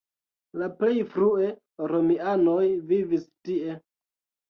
La plej frue romianoj vivis tie.